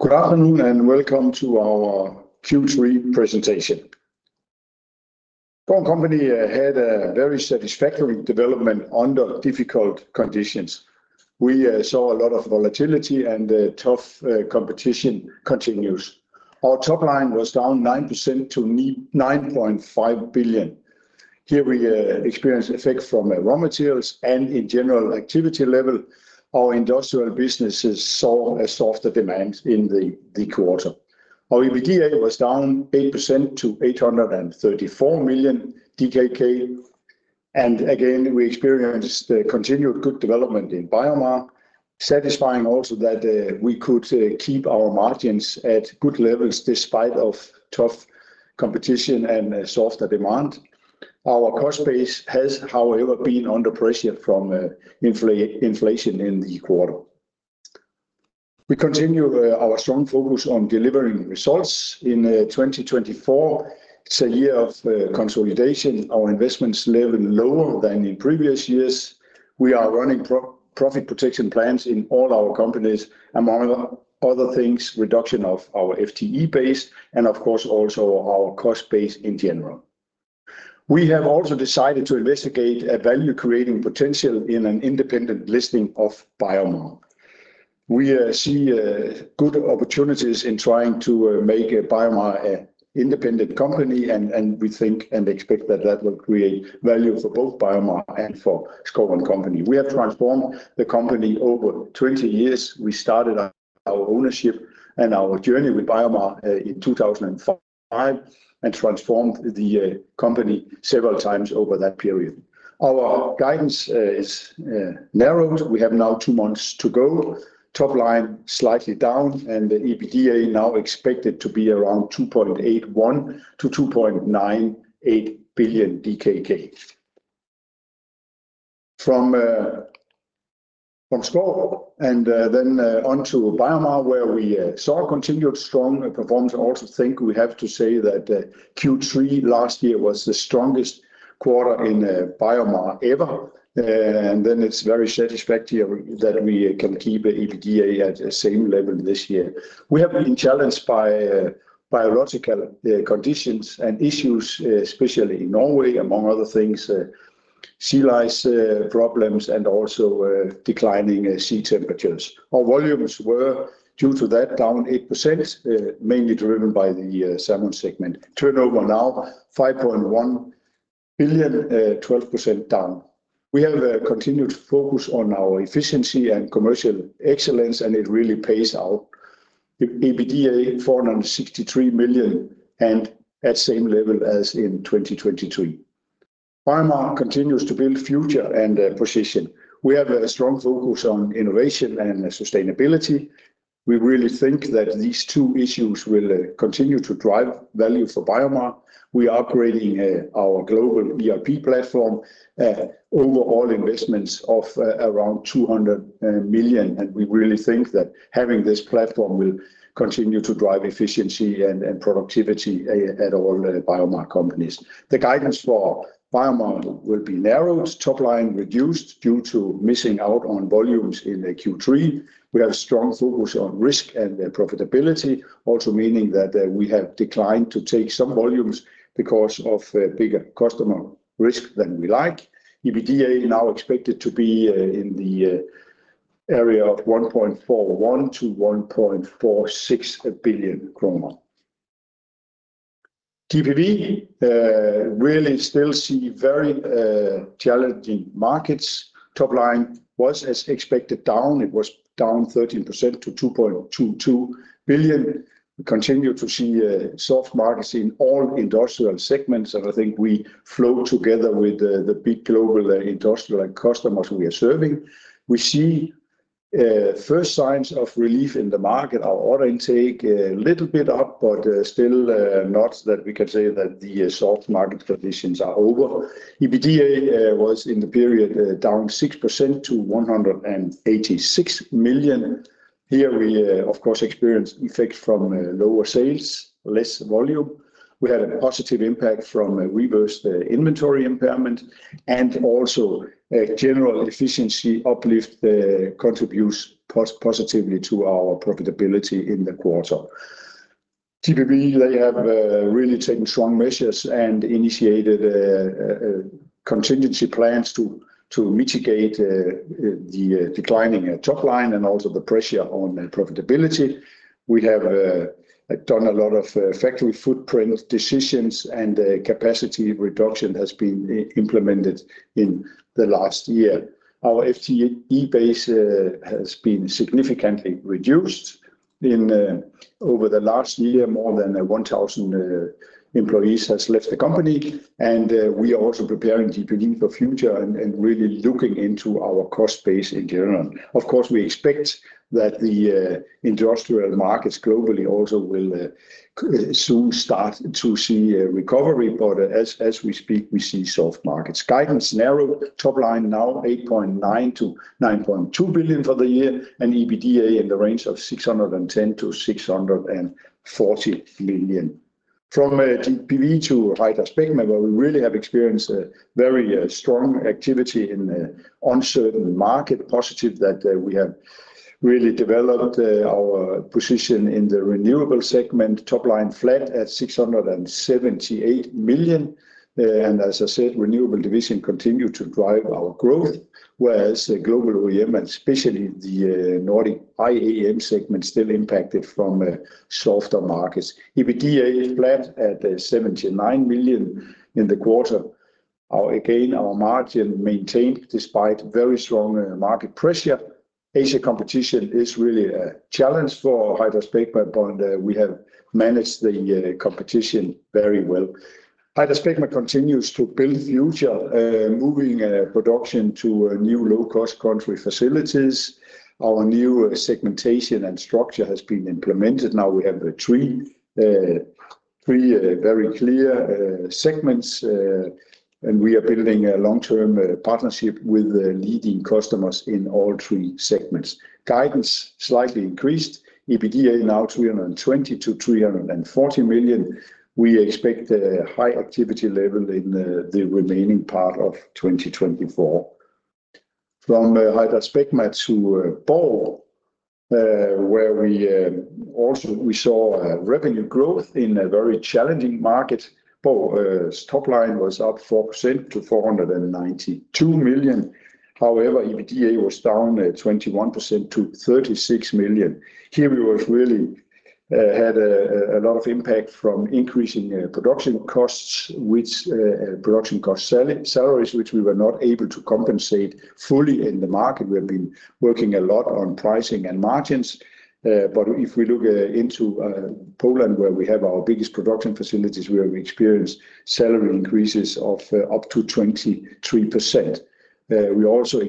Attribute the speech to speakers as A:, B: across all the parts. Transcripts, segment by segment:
A: Good afternoon and welcome to our Q3 presentation. Schouw & Co had a very satisfactory development under difficult conditions. We saw a lot of volatility, and tough competition continues. Our top line was down 9% to 9.5 billion. Here we experienced effects from raw materials and, in general, activity level. Our industrial businesses saw a softer demand in the quarter. Our EBITDA was down 8% to 834 million DKK. And again, we experienced continued good development in BioMar, satisfying also that we could keep our margins at good levels despite tough competition and softer demand. Our cost base has, however, been under pressure from inflation in the quarter. We continue our strong focus on delivering results. In 2024, it's a year of consolidation. Our investments level lower than in previous years. We are running profit protection plans in all our companies, among other things, reduction of our FTE base and, of course, also our cost base in general. We have also decided to investigate a value-creating potential in an independent listing of BioMar. We see good opportunities in trying to make BioMar an independent company, and we think and expect that that will create value for both BioMar and for Schouw & Co., Jens Sørensen. We have transformed the company over 20 years. We started our ownership and our journey with BioMar in 2005 and transformed the company several times over that period. Our guidance is narrowed. We have now two months to go. Top line slightly down, and the EBITDA now expected to be around 2.81 billion-2.98 billion DKK. From Schouw & Co, Jens Sørensen, and then on to BioMar, where we saw continued strong performance. I also think we have to say that Q3 last year was the strongest quarter in BioMar ever, and then it's very satisfactory that we can keep the EBITDA at the same level this year. We have been challenged by biological conditions and issues, especially in Norway, among other things, sea lice problems and also declining sea temperatures. Our volumes were, due to that, down 8%, mainly driven by the salmon segment. Turnover now 5.1 billion, 12% down. We have continued focus on our efficiency and commercial excellence, and it really pays out. EBITDA 463 million and at the same level as in 2023. BioMar continues to build future and position. We have a strong focus on innovation and sustainability. We really think that these two issues will continue to drive value for BioMar. We are upgrading our global ERP platform. Overall investments of around 200 million, and we really think that having this platform will continue to drive efficiency and productivity at all BioMar companies. The guidance for BioMar will be narrowed. Top line reduced due to missing out on volumes in Q3. We have strong focus on risk and profitability, also meaning that we have declined to take some volumes because of bigger customer risk than we like. EBITDA now expected to be in the area of DKK 1.41 billion-DKK 1.46 billion. GPV really still see very challenging markets. Top line was, as expected, down. It was down 13% to 2.22 billion. We continue to see soft markets in all industrial segments, and I think we flow together with the big global industrial customers we are serving. We see first signs of relief in the market. Our order intake a little bit up, but still not that we can say that the soft market conditions are over. EBITDA was in the period down 6% to 186 million. Here we, of course, experienced effects from lower sales, less volume. We had a positive impact from reversed inventory impairment, and also general efficiency uplift contributes positively to our profitability in the quarter. GPV, they have really taken strong measures and initiated contingency plans to mitigate the declining top line and also the pressure on profitability. We have done a lot of factory footprint decisions, and capacity reduction has been implemented in the last year. Our FTE base has been significantly reduced over the last year. More than 1,000 employees have left the company, and we are also preparing GPV for the future and really looking into our cost base in general. Of course, we expect that the industrial markets globally also will soon start to see recovery, but as we speak, we see soft markets. Guidance narrowed. Top line now 8.9 billion-9.2 billion for the year, and EBITDA in the range of 610 million-640 million. From GPV to HydraSpecma, we really have experienced very strong activity in an uncertain market, positive that we have really developed our position in the renewable segment. Top line flat at 678 million. And as I said, renewable division continued to drive our growth, whereas global OEM, and especially the Nordic IAM segment, still impacted from softer markets. EBITDA flat at 79 million in the quarter. Again, our margin maintained despite very strong market pressure. Asia competition is really a challenge for HydraSpecma, but we have managed the competition very well. HydraSpecma continues to build future, moving production to new low-cost country facilities. Our new segmentation and structure has been implemented. Now we have three very clear segments, and we are building a long-term partnership with leading customers in all three segments. Guidance slightly increased. EBITDA now 320 million-340 million. We expect a high activity level in the remaining part of 2024. From HydraSpecma to Borg Automotive, where we also saw revenue growth in a very challenging market. Borg Automotive's top line was up 4% to 492 million. However, EBITDA was down 21% to 36 million. Here we really had a lot of impact from increasing production costs, which production cost salaries, which we were not able to compensate fully in the market. We have been working a lot on pricing and margins. But if we look into Poland, where we have our biggest production facilities, where we experienced salary increases of up to 23%. We also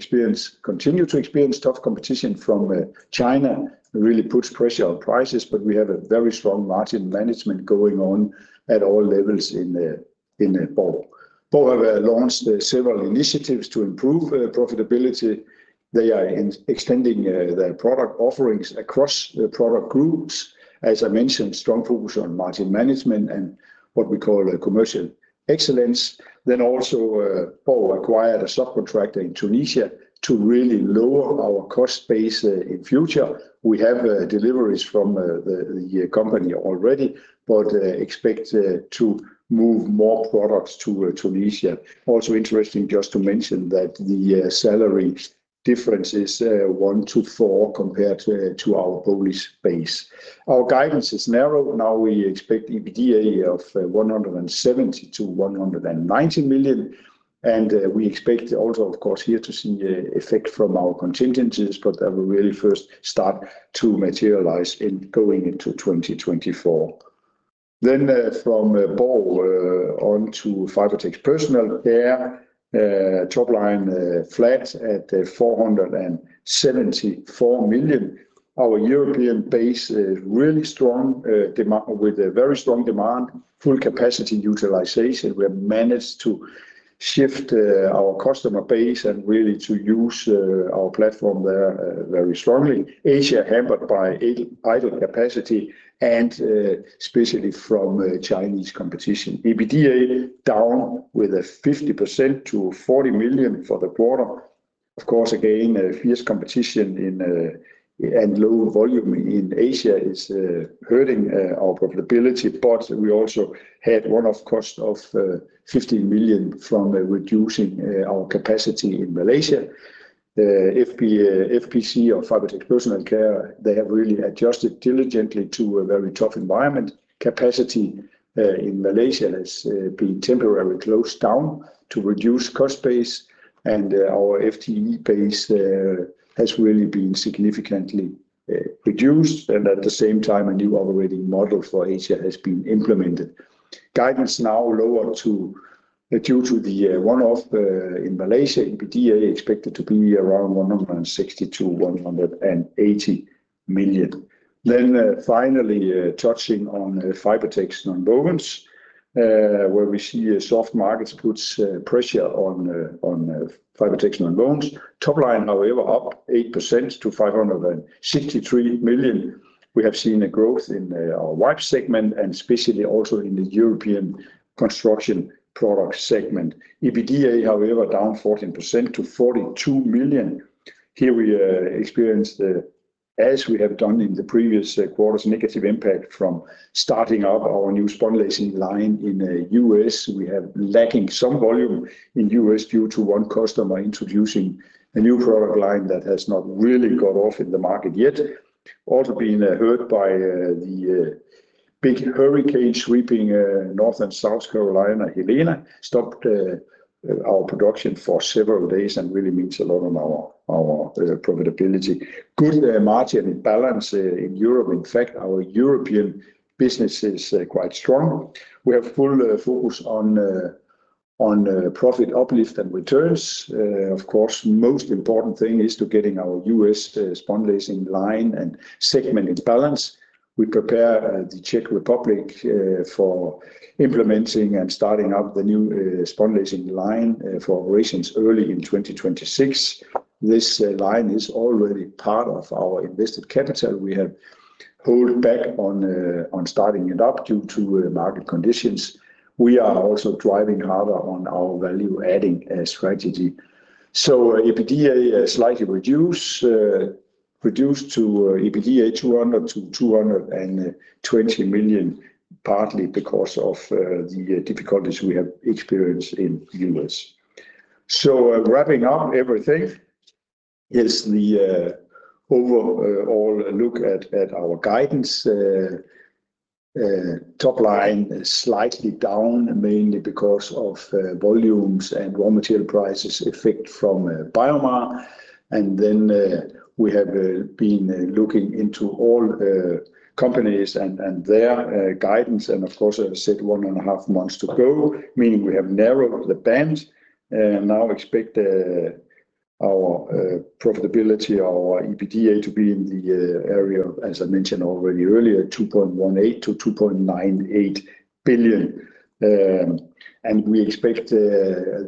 A: continue to experience tough competition from China. It really puts pressure on prices, but we have a very strong margin management going on at all levels in Borg Automotive. Borg Automotive has launched several initiatives to improve profitability. They are extending their product offerings across product groups. As I mentioned, strong focus on margin management and what we call commercial excellence. Then also, Borg Automotive acquired a subcontractor in Tunisia to really lower our cost base in future. We have deliveries from the company already, but expect to move more products to Tunisia. Also interesting, just to mention, that the salary difference is 1 to 4 compared to our Polish base. Our guidance is narrow. Now we expect EBITDA of 170 million-190 million. We expect also, of course, here to see effects from our contingencies, but that will really first start to materialize in going into 2024. From Borg on to Fibertex Personal Care, top line flat at 474 million. Our European base is really strong with very strong demand, full capacity utilization. We have managed to shift our customer base and really to use our platform there very strongly. Asia hampered by idle capacity and especially from Chinese competition. EBITDA down with 50% to 40 million for the quarter. Of course, again, fierce competition and low volume in Asia is hurting our profitability, but we also had one-off cost of 15 million from reducing our capacity in Malaysia. FPC or Fibertex Personal Care, they have really adjusted diligently to a very tough environment. Capacity in Malaysia has been temporarily closed down to reduce cost base, and our FTE base has really been significantly reduced, and at the same time, a new operating model for Asia has been implemented. Guidance now lower due to the one-off in Malaysia. EBITDA expected to be around 160 million-180 million, then finally touching on Fibertex Nonwovens, where we see soft markets put pressure on Fibertex Nonwovens. Top line, however, up 8% to 563 million. We have seen a growth in our wipe segment and especially also in the European construction product segment. EBITDA, however, down 14% to 42 million. Here we experienced, as we have done in the previous quarters, negative impact from starting up our new spunlace line in the US. We have lacking some volume in the US due to one customer introducing a new product line that has not really got off in the market yet. Also being hurt by the big hurricane sweeping North and South Carolina, Helene, stopped our production for several days and really means a lot on our profitability. Good margin balance in Europe. In fact, our European business is quite strong. We have full focus on profit uplift and returns. Of course, the most important thing is to getting our US spunlace line and segment in balance. We prepare the Czech Republic for implementing and starting up the new spunlace line for operations early in 2026. This line is already part of our invested capital. We have held back on starting it up due to market conditions. We are also driving harder on our value-adding strategy. EBITDA slightly reduced to EBITDA 200-220 million, partly because of the difficulties we have experienced in the U.S. Wrapping up everything is the overall look at our guidance. Top line slightly down, mainly because of volumes and raw material prices effect from BioMar. Then we have been looking into all companies and their guidance. Of course, as I said, one and a half months to go, meaning we have narrowed the band. Now expect our profitability, our EBITDA to be in the area, as I mentioned already earlier, 2.18-2.98 billion. We expect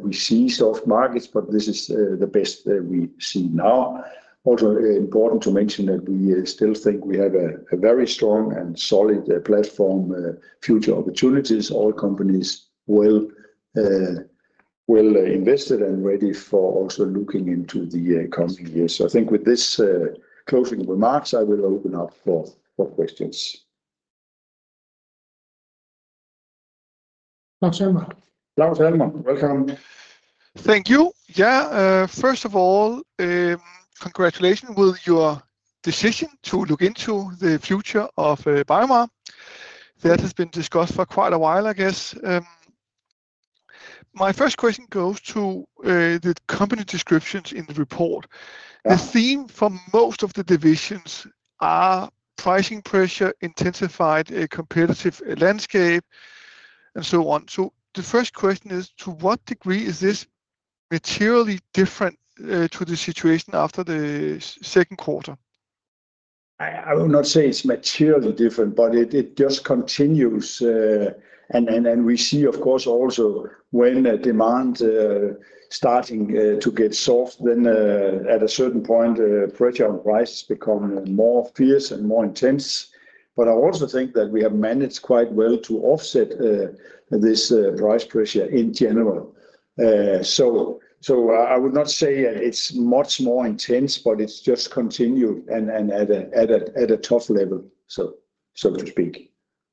A: we see soft markets, but this is the best we see now. Also important to mention that we still think we have a very strong and solid platform, future opportunities. All companies well invested and ready for also looking into the coming years. So I think with this closing remarks, I will open up for
B: Claus Almer, welcome.
C: Thank you. Yeah, first of all, congratulations with your decision to look into the future of BioMar. That has been discussed for quite a while, I guess. My first question goes to the company descriptions in the report. The theme for most of the divisions are pricing pressure, intensified competitive landscape, and so on. So the first question is, to what degree is this materially different to the situation after the second quarter?
A: I will not say it's materially different, but it just continues, and we see, of course, also when demand starts to get soft, then at a certain point, pressure on prices becomes more fierce and more intense, but I also think that we have managed quite well to offset this price pressure in general, so I would not say it's much more intense, but it's just continued and at a tough level, so to speak.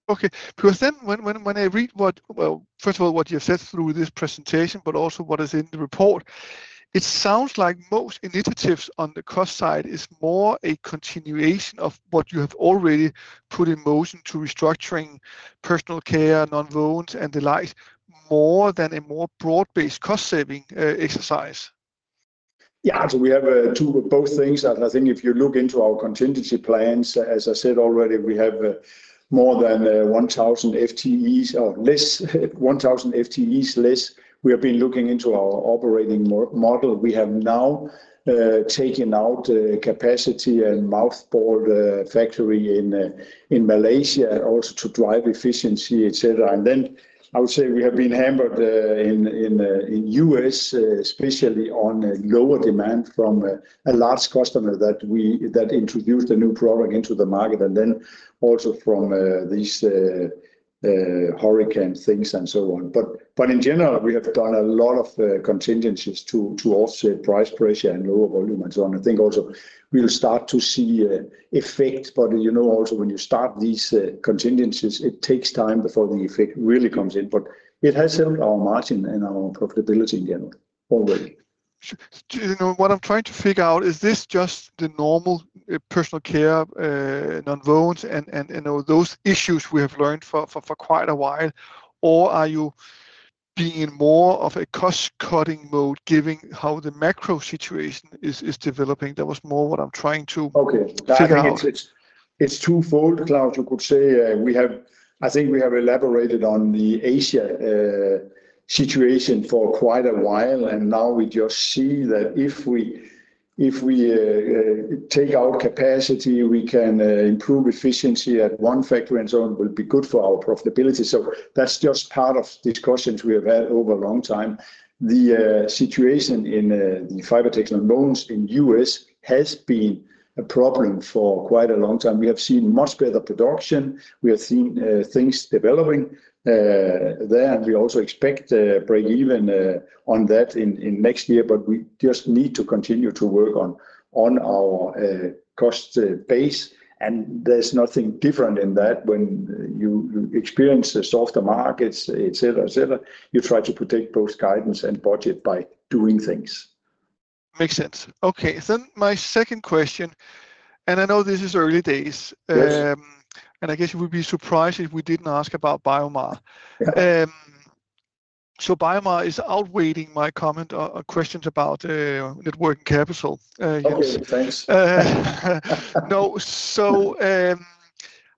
C: Okay. Because then when I read what, first of all, what you said through this presentation, but also what is in the report, it sounds like most initiatives on the cost side is more a continuation of what you have already put in motion to restructuring personal care, nonwovens, and the like, more than a more broad-based cost-saving exercise.
A: Yeah, so we have both things. I think if you look into our contingency plans, as I said already, we have more than 1,000 FTEs or less, 1,000 FTEs less. We have been looking into our operating model. We have now taken out capacity and nonwoven factory in Malaysia also to drive efficiency, etc., and then I would say we have been hampered in the U.S., especially on lower demand from a large customer that introduced a new product into the market, and then also from these hurricane things and so on. But in general, we have done a lot of contingencies to offset price pressure and lower volume and so on. I think also we'll start to see effect, but you know also when you start these contingencies, it takes time before the effect really comes in, but it has helped our margin and our profitability in general already.
C: What I'm trying to figure out is this just the normal personal care, nonwovens, and those issues we have learned for quite a while, or are you being in more of a cost-cutting mode given how the macro situation is developing? That was more what I'm trying to figure out.
A: Okay. It's twofold, Claus. You could say we have, I think we have elaborated on the Asia situation for quite a while, and now we just see that if we take out capacity, we can improve efficiency at one factor and so on, it will be good for our profitability. So that's just part of discussions we have had over a long time. The situation in the Fibertex nonwovens in the U.S. has been a problem for quite a long time. We have seen much better production. We have seen things developing there, and we also expect break-even on that in next year, but we just need to continue to work on our cost base. There's nothing different in that when you experience softer markets, etc., etc. You try to protect both guidance and budget by doing things.
C: Makes sense. Okay. Then my second question, and I know this is early days, and I guess you would be surprised if we didn't ask about BioMar. So BioMar is outweighing my comment or questions about working capital.
A: Okay, thanks.
C: No. So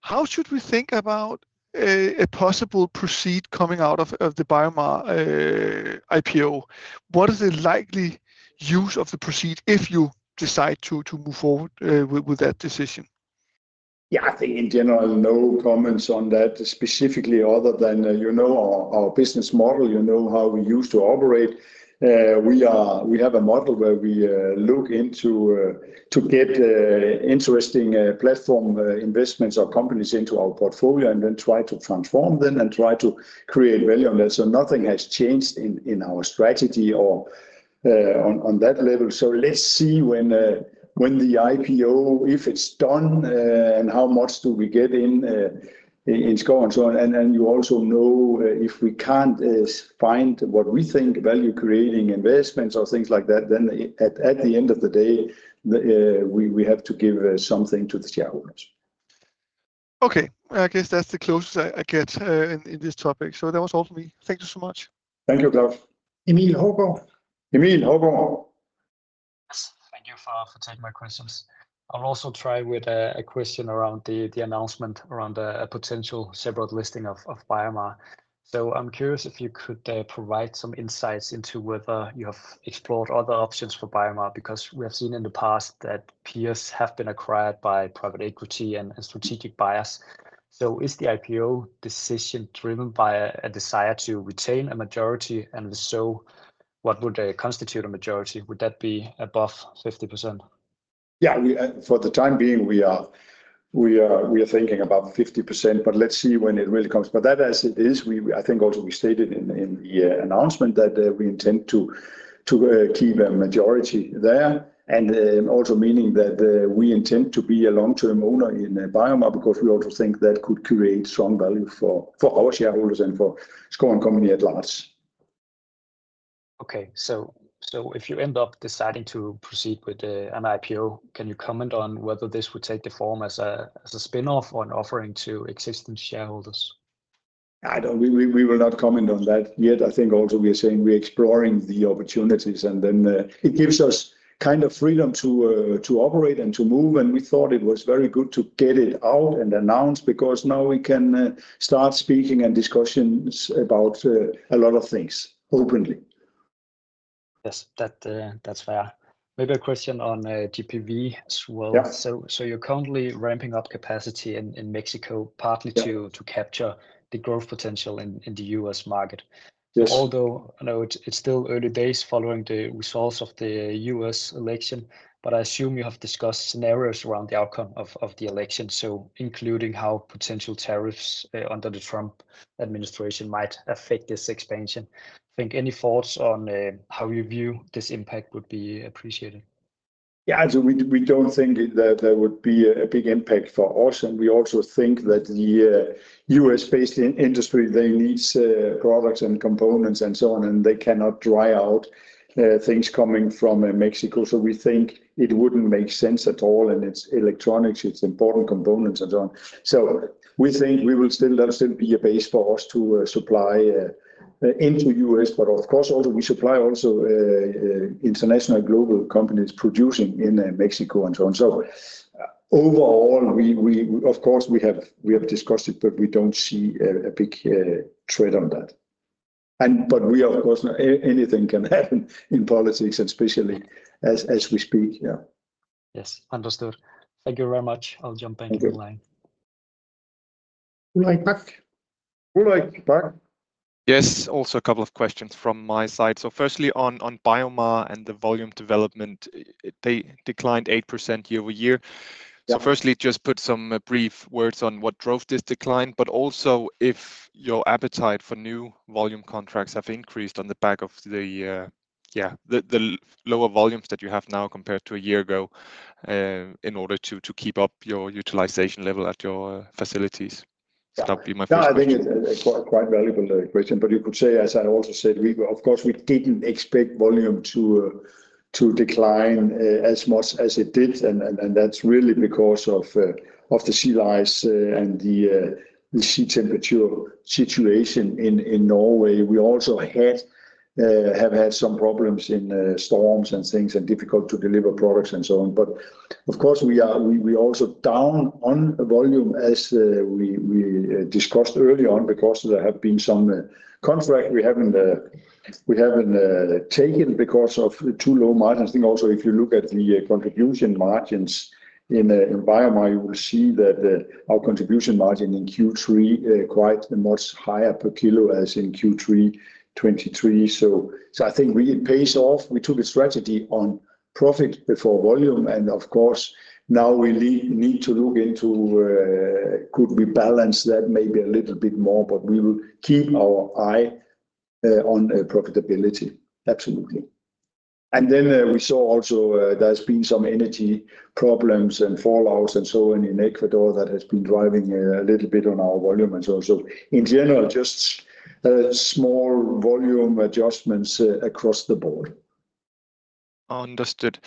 C: how should we think about a possible proceeds coming out of the BioMar IPO? What is the likely use of the proceeds if you decide to move forward with that decision?
A: Yeah, I think in general, no comments on that specifically other than our business model, you know how we used to operate. We have a model where we look into to get interesting platform investments or companies into our portfolio and then try to transform them and try to create value on that. So nothing has changed in our strategy or on that level. So let's see when the IPO, if it's done, and how much do we get in in scope and so on. And you also know if we can't find what we think value-creating investments or things like that, then at the end of the day, we have to give something to the shareholders.
C: Okay. I guess that's the closest I get in this topic. So that was all from me. Thank you so much.
A: Thank you, Claus.
B: Emil Halkier.
C: Thank you for taking my questions. I'll also try with a question around the announcement around a potential separate listing of BioMar. So I'm curious if you could provide some insights into whether you have explored other options for BioMar, because we have seen in the past that peers have been acquired by private equity and strategic buyers. So is the IPO decision driven by a desire to retain a majority? And if so, what would constitute a majority? Would that be above 50%?
A: Yeah, for the time being, we are thinking about 50%, but let's see when it really comes. But that as it is, I think also we stated in the announcement that we intend to keep a majority there, and also meaning that we intend to be a long-term owner in BioMar, because we also think that could create strong value for our shareholders and for Schouw & Co. at large.
C: Okay, so if you end up deciding to proceed with an IPO, can you comment on whether this would take the form of a spinoff or an offering to existing shareholders?
A: We will not comment on that yet. I think also we are saying we are exploring the opportunities, and then it gives us kind of freedom to operate and to move, and we thought it was very good to get it out and announce, because now we can start speaking and discussions about a lot of things openly.
C: Yes, that's fair. Maybe a question on GPV as well. So you're currently ramping up capacity in Mexico, partly to capture the growth potential in the US market.
A: Yes.
C: Although it's still early days following the results of the U.S. election, but I assume you have discussed scenarios around the outcome of the election, so including how potential tariffs under the Trump administration might affect this expansion. I think any thoughts on how you view this impact would be appreciated.
A: Yeah, we don't think that there would be a big impact for us. And we also think that the U.S.-based industry, they need products and components and so on, and they cannot dry out things coming from Mexico. So we think it wouldn't make sense at all. And it's electronics, it's important components and so on. So we think there will still be a base for us to supply into the U.S. But of course, we supply also international global companies producing in Mexico and so on. So overall, of course, we have discussed it, but we don't see a big threat on that. But of course, anything can happen in politics, especially as we speak.
C: Yes, understood. Thank you very much. I'll jump back to the line.
B: Bo Lybæk.
D: Yes, also a couple of questions from my side. So firstly, on BioMar and the volume development, they declined 8% year over year. So firstly, just put some brief words on what drove this decline, but also if your appetite for new volume contracts have increased on the back of the lower volumes that you have now compared to a year ago in order to keep up your utilization level at your facilities. That would be my first question.
A: Yeah, I think it's quite valuable, the question. But you could say, as I also said, of course, we didn't expect volume to decline as much as it did. And that's really because of the sea lice and the sea temperature situation in Norway. We also have had some problems in storms and things and difficult to deliver products and so on. But of course, we are also down on volume, as we discussed early on, because there have been some contracts we haven't taken because of too low margins. I think also if you look at the contribution margins in BioMar, you will see that our contribution margin in Q3 is quite much higher per kilo as in Q3 2023. So I think it pays off. We took a strategy on profit before volume. Of course, now we need to look into could we balance that maybe a little bit more, but we will keep our eye on profitability. Absolutely. Then we saw also there has been some energy problems and fallouts and so on in Ecuador that has been driving a little bit on our volume and so on. In general, just small volume adjustments across the board.
D: Understood.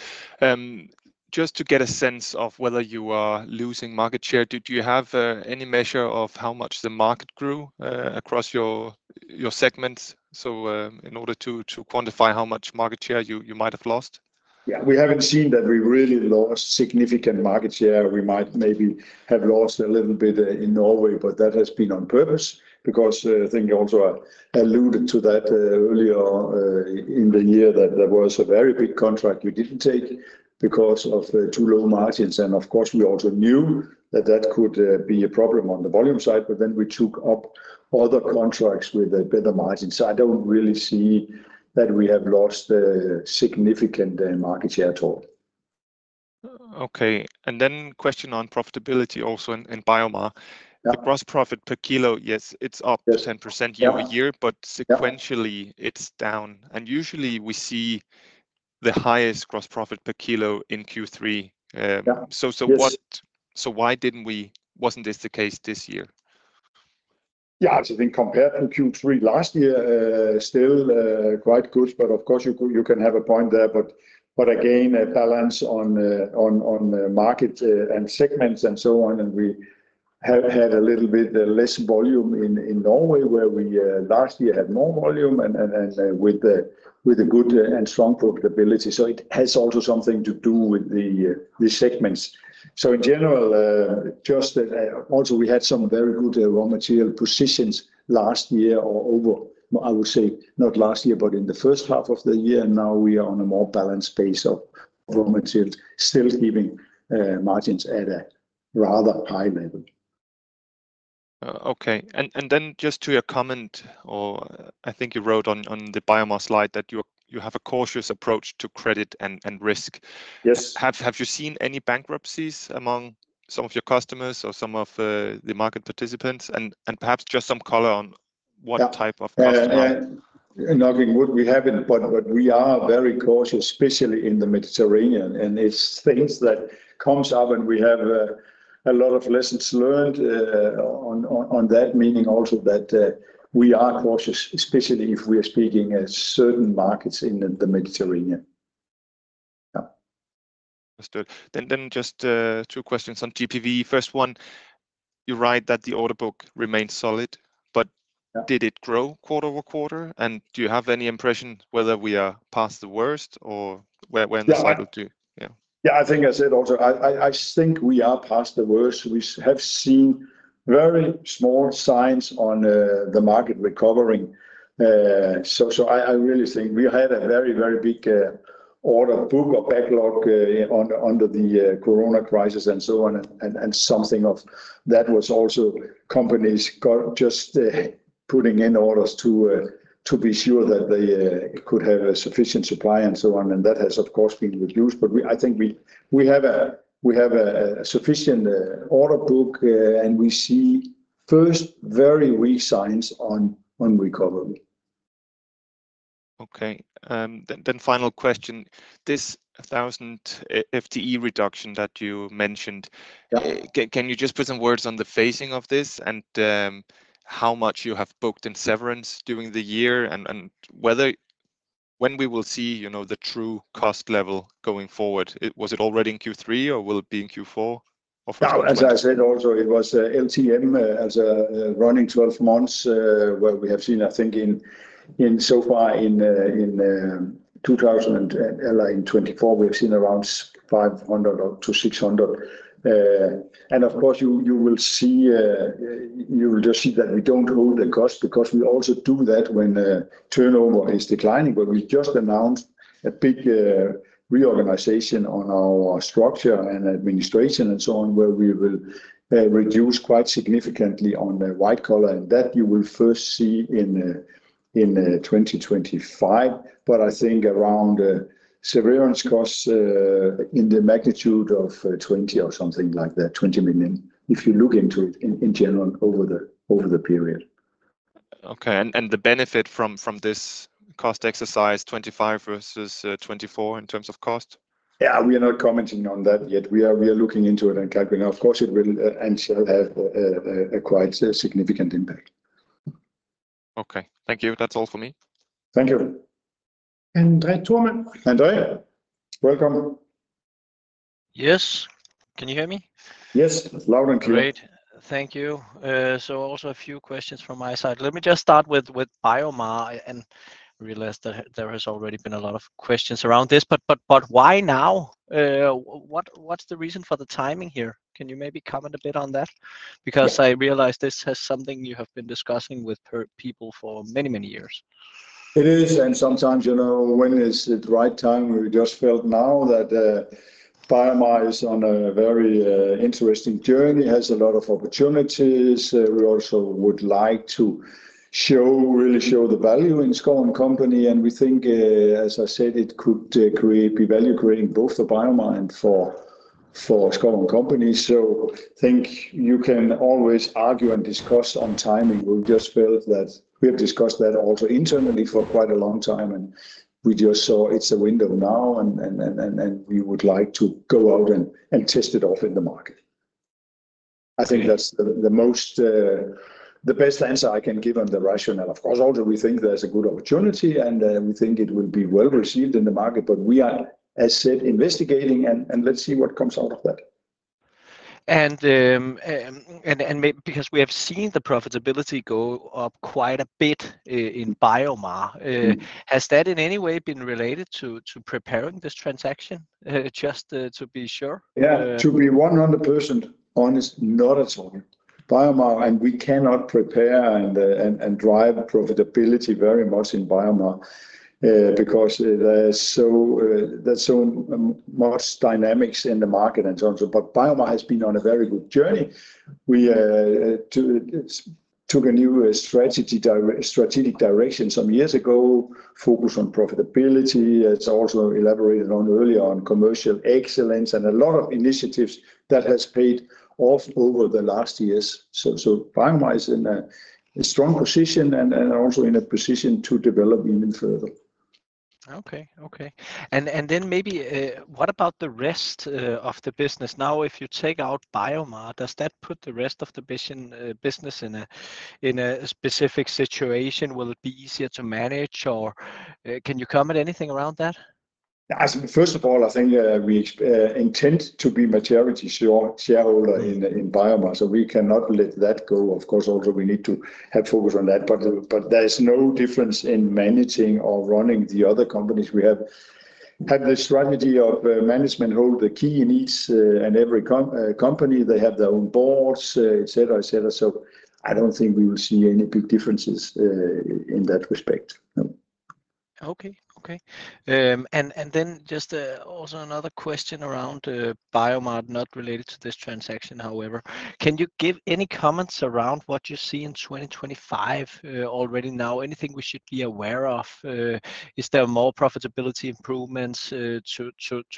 D: Just to get a sense of whether you are losing market share, do you have any measure of how much the market grew across your segments? So in order to quantify how much market share you might have lost? Yeah, we haven't seen that we really lost significant market share. We might maybe have lost a little bit in Norway, but that has been on purpose, because I think you also alluded to that earlier in the year that there was a very big contract we didn't take because of too low margins, and of course, we also knew that that could be a problem on the volume side, but then we took up other contracts with better margins, so I don't really see that we have lost significant market share at all. Okay. And then question on profitability also in BioMar. The gross profit per kilo, yes, it's up 10% year over year, but sequentially it's down. And usually we see the highest gross profit per kilo in Q3. So why didn't we, wasn't this the case this year?
A: Yeah, I think compared to Q3 last year, still quite good. But of course, you can have a point there. But again, a balance on market and segments and so on. And we had a little bit less volume in Norway, where we last year had more volume and with a good and strong profitability. So it has also something to do with the segments. So in general, just also we had some very good raw material positions last year or over, I would say, not last year, but in the first half of the year. And now we are on a more balanced base of raw materials, still keeping margins at a rather high level.
D: Okay. And then just to your comment, or I think you wrote on the BioMar slide that you have a cautious approach to credit and risk.
A: Yes.
D: Have you seen any bankruptcies among some of your customers or some of the market participants? And perhaps just some color on what type of customer?
A: Knocking wood, we haven't, but we are very cautious, especially in the Mediterranean and it's things that come up, and we have a lot of lessons learned on that, meaning also that we are cautious, especially if we are speaking of certain markets in the Mediterranean.
D: Understood. Then just two questions on GPV. First one, you write that the order book remains solid, but did it grow quarter over quarter? And do you have any impression whether we are past the worst or where in the cycle to?
A: Yeah, I think I said also, I think we are past the worst. We have seen very small signs on the market recovering. So I really think we had a very, very big order book or backlog under the corona crisis and so on. And that has, of course, been reduced. But I think we have a sufficient order book, and we see first very weak signs on recovery.
D: Okay. Then final question. This 1,000 FTE reduction that you mentioned, can you just put some words on the phasing of this and how much you have booked in severance during the year and when we will see the true cost level going forward? Was it already in Q3 or will it be in Q4?
A: As I said also, it was LTM as a running 12 months where we have seen, I think, so far in 2024, we have seen around 500-600. And of course, you will see, you will just see that we don't hold the cost because we also do that when turnover is declining. But we just announced a big reorganization on our structure and administration and so on, where we will reduce quite significantly on the white collar. And that you will first see in 2025. But I think around severance costs in the magnitude of 20 or something like that, 20 million, if you look into it in general over the period.
D: Okay. And the benefit from this cost exercise, 2025 versus 2024 in terms of cost?
A: Yeah, we are not commenting on that yet. We are looking into it and calculating. Of course, it will and shall have a quite significant impact.
D: Okay. Thank you. That's all for me.
A: Thank you.
B: Andrej Thormann.
A: Andrej, welcome.
E: Yes. Can you hear me?
A: Yes, loud and clear.
E: Great. Thank you. So also a few questions from my side. Let me just start with BioMar. And I realize that there has already been a lot of questions around this. But why now? What's the reason for the timing here? Can you maybe comment a bit on that? Because I realize this has something you have been discussing with people for many, many years.
A: It is. And sometimes when is the right time? We just felt now that BioMar is on a very interesting journey, has a lot of opportunities. We also would like to really show the value in Schouw & Co. And we think, as I said, it could be value creating both for BioMar and for Schouw & Co. So I think you can always argue and discuss on timing. We just felt that we have discussed that also internally for quite a long time. And we just saw it's a window now, and we would like to go out and test it off in the market. I think that's the best answer I can give on the rationale. Of course, also we think there's a good opportunity, and we think it will be well received in the market. But we are, as said, investigating, and let's see what comes out of that.
E: Because we have seen the profitability go up quite a bit in BioMar, has that in any way been related to preparing this transaction, just to be sure?
A: Yeah, to be 100% honest, not at all. BioMar, and we cannot prepare and drive profitability very much in BioMar, because there's so much dynamics in the market and so on, but BioMar has been on a very good journey. We took a new strategic direction some years ago, focused on profitability. It's also elaborated on earlier on commercial excellence and a lot of initiatives that have paid off over the last years, so BioMar is in a strong position and also in a position to develop even further.
E: Okay. Okay, and then maybe what about the rest of the business? Now, if you take out BioMar, does that put the rest of the business in a specific situation? Will it be easier to manage? Or can you comment anything around that?
A: First of all, I think we intend to be a majority shareholder in BioMar, so we cannot let that go. Of course, also we need to have focus on that. But there is no difference in managing or running the other companies. We have the strategy of management holds the key in each and every company. They have their own boards, etc., etc. So I don't think we will see any big differences in that respect.
E: Okay. Okay. And then just also another question around BioMar, not related to this transaction, however. Can you give any comments around what you see in 2025 already now? Anything we should be aware of? Is there more profitability improvements to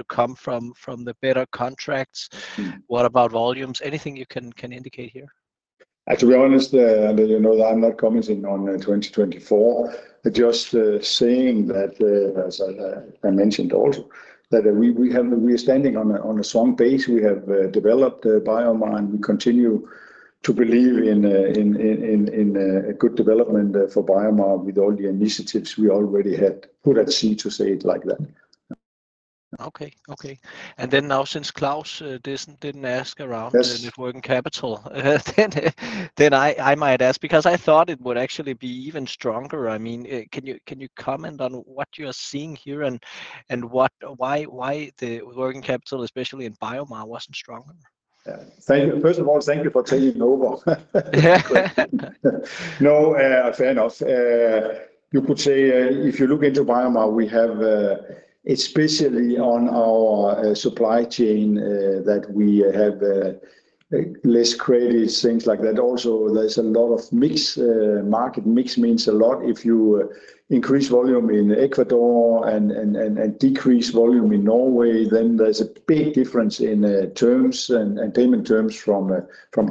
E: come from the better contracts? What about volumes? Anything you can indicate here?
A: To be honest, I'm not commenting on 2024. Just saying that, as I mentioned also, that we are standing on a strong base. We have developed BioMar, and we continue to believe in a good development for BioMar with all the initiatives we already had put at sea, to say it like that.
E: Okay. Okay. And then now, since Claus didn't ask around the working capital, then I might ask, because I thought it would actually be even stronger. I mean, can you comment on what you're seeing here and why the working capital, especially in BioMar, wasn't stronger?
A: Thank you. First of all, thank you for taking over. No, fair enough. You could say if you look into BioMar, we have especially on our supply chain that we have less credits, things like that. Also, there's a lot of mixed market. Mixed means a lot. If you increase volume in Ecuador and decrease volume in Norway, then there's a big difference in terms and payment terms from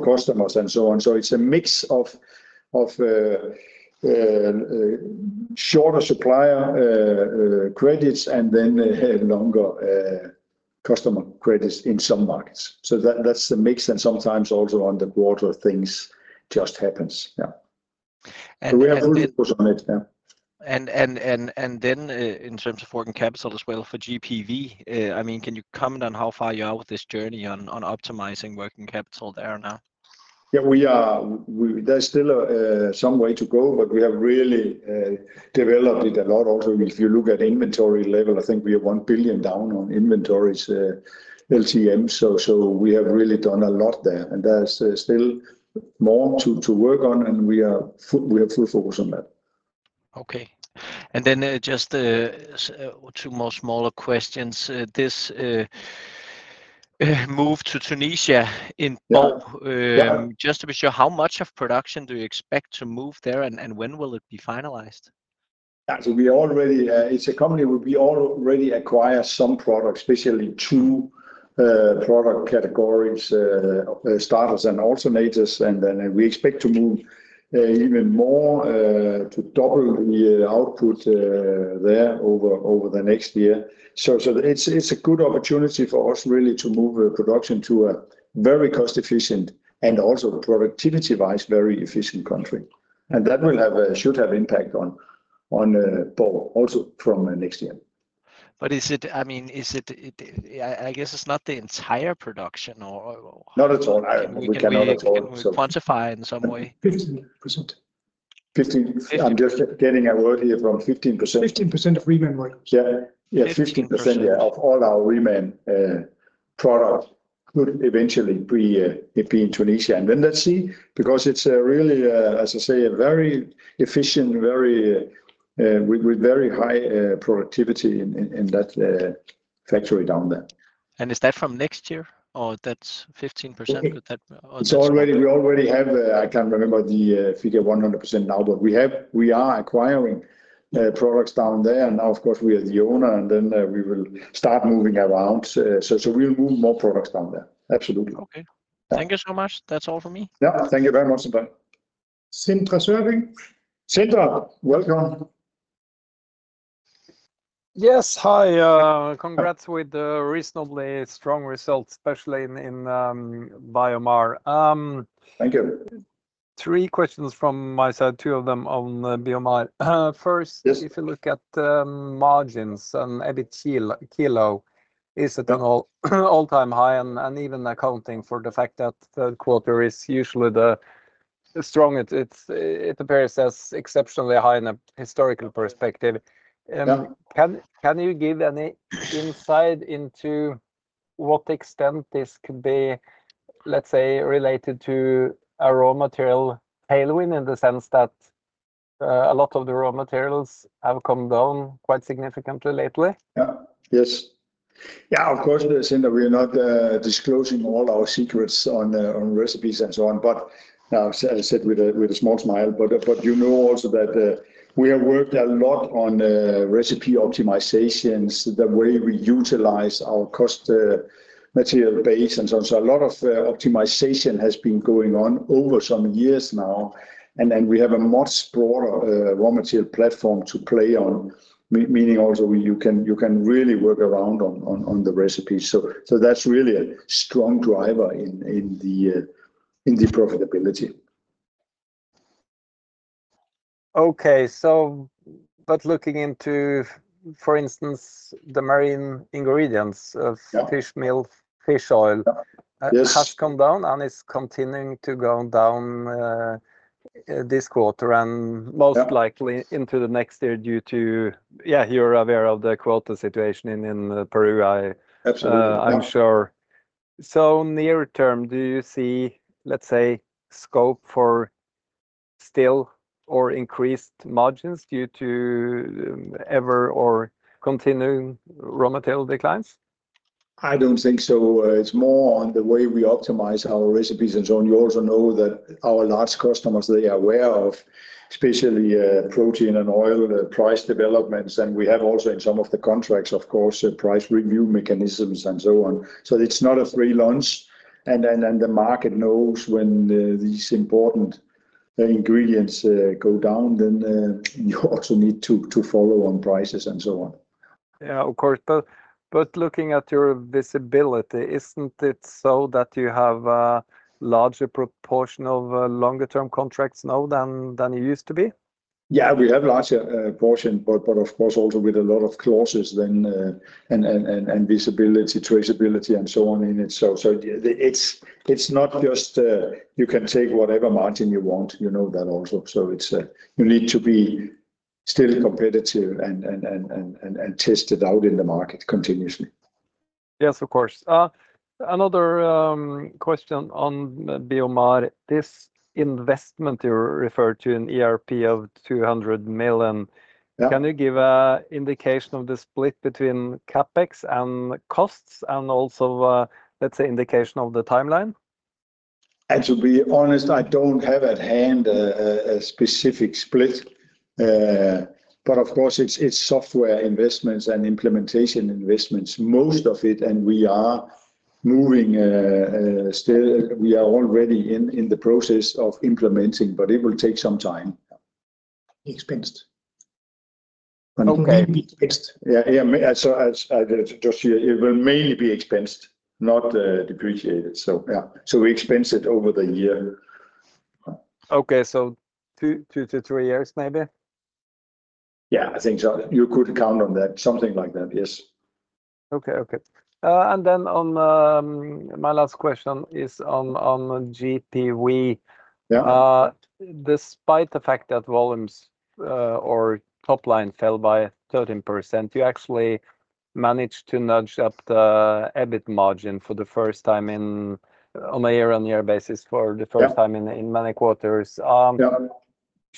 A: customers and so on. So it's a mix of shorter supplier credits and then longer customer credits in some markets. So that's the mix. And sometimes also on the broader things just happens. Yeah. We have focus on it. Yeah.
E: And then in terms of working capital as well for GPV, I mean, can you comment on how far you are with this journey on optimizing working capital there now?
A: Yeah, there's still some way to go, but we have really developed it a lot. Also, if you look at inventory level, I think we are 1 billion down on inventories, LTMs. So we have really done a lot there. And there's still more to work on, and we have full focus on that.
E: Okay. And then just two more smaller questions. This move to Tunisia in bulk, just to be sure, how much of production do you expect to move there, and when will it be finalized?
A: Yeah, so we already, it's a company where we already acquire some products, especially two product categories, starters and alternators. And then we expect to move even more to double the output there over the next year. So it's a good opportunity for us really to move production to a very cost-efficient and also productivity-wise very efficient country. And that should have impact on both also from next year.
E: But is it? I mean, is it? I guess it's not the entire production or?
A: Not at all. We cannot at all.
E: Quantify in some way?
A: 15%. I'm just getting a word here from 15%.
B: 15% of Reman work.
A: Yeah. Yeah, 15% of all our reman product could eventually be in Tunisia. And then let's see, because it's really, as I say, a very efficient factory with very high productivity down there.
E: Is that from next year or that 15%?
A: It's already, we already have. I can't remember the figure 100% now, but we are acquiring products down there, and now, of course, we are the owner, and then we will start moving around, so we'll move more products down there. Absolutely.
E: Okay. Thank you so much. That's all for me.
A: Yeah, thank you very much.
B: Sindre Sørbye.
A: Sindre, welcome.
F: Yes. Hi. Congrats with reasonably strong results, especially in BioMar.
A: Thank you.
F: Three questions from my side, two of them on BioMar. First, if you look at margins and EBIT kilo, is it an all-time high? And even accounting for the fact that third quarter is usually the strong, it appears as exceptionally high in a historical perspective. Can you give any insight into what extent this could be, let's say, related to a raw material tailwind in the sense that a lot of the raw materials have come down quite significantly lately?
A: Yeah. Yes. Yeah, of course, Sindre, we're not disclosing all our secrets on recipes and so on. But now, as I said, with a small smile. But you know also that we have worked a lot on recipe optimizations, the way we utilize our raw material base and so on. So a lot of optimization has been going on over some years now. And then we have a much broader raw material platform to play on, meaning also you can really work around on the recipes. So that's really a strong driver in the profitability.
F: Okay. So but looking into, for instance, the marine ingredients of fish meal, fish oil, has come down and is continuing to go down this quarter and most likely into the next year due to, yeah, you're aware of the quota situation in Peru, I'm sure. So near term, do you see, let's say, scope for still or increased margins due to ever or continuing raw material declines?
A: I don't think so. It's more on the way we optimize our recipes and so on. You also know that our large customers, they are aware of especially protein and oil price developments, and we have also in some of the contracts, of course, price review mechanisms and so on, so it's not a free lunch, and then the market knows when these important ingredients go down, then you also need to follow on prices and so on.
F: Yeah, of course. But looking at your visibility, isn't it so that you have a larger proportion of longer-term contracts now than you used to be?
A: Yeah, we have a larger portion, but of course also with a lot of clauses, then and visibility, traceability, and so on in it. It's not just you can take whatever margin you want. You know that also. You need to be still competitive and tested out in the market continuously.
F: Yes, of course. Another question on biomar. This investment you referred to in ERP of 200 million, can you give an indication of the split between CapEx and costs and also, let's say, indication of the timeline?
A: And to be honest, I don't have at hand a specific split. But of course, it's software investments and implementation investments, most of it. And we are moving still. We are already in the process of implementing, but it will take some time.
F: Expensed.
A: Yeah. So just here, it will mainly be expensed, not depreciated. So yeah. So we expense it over the year.
F: Okay. So two to three years maybe?
A: Yeah, I think so. You could count on that. Something like that, yes.
F: Okay. Okay. And then my last question is on GPV. Despite the fact that volumes or top line fell by 13%, you actually managed to nudge up the EBIT margin for the first time on a year-on-year basis for the first time in many quarters.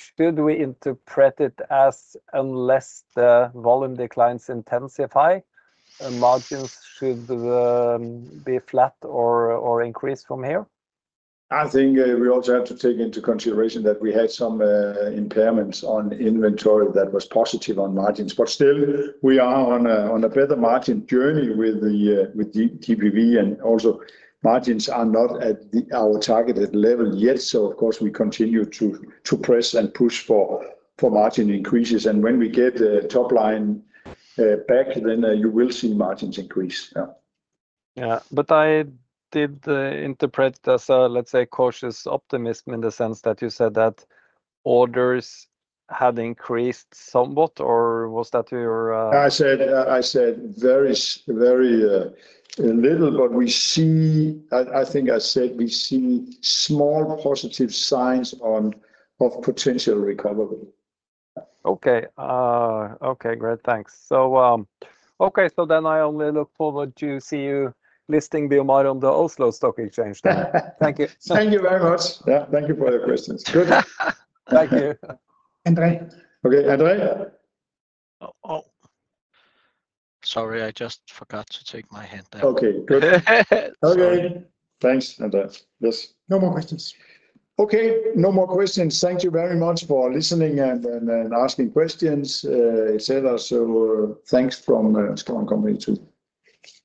F: Should we interpret it as unless the volume declines intensify, margins should be flat or increase from here?
A: I think we also have to take into consideration that we had some impairments on inventory that was positive on margins, but still, we are on a better margin journey with the GPV, and also, margins are not at our targeted level yet, so of course, we continue to press and push for margin increases, and when we get the top line back, then you will see margins increase.
F: Yeah. But I did interpret as, let's say, cautious optimism in the sense that you said that orders had increased somewhat, or was that your?
A: I said very little, but we see, I think I said we see small positive signs of potential recovery.
F: Great. Thanks. So then I only look forward to see you listing BioMar on the Oslo Stock Exchange then. Thank you.
A: Thank you very much. Yeah. Thank you for your questions. Good.
F: Thank you.
B: Andrei.
A: Okay. Andrei?
C: Sorry, I just forgot to take my hand there.
A: Okay. Good. Okay. Thanks, André. Yes.
B: No more questions.
A: Okay. No more questions. Thank you very much for listening and asking questions, etc., so thanks from Schouw & Co. too.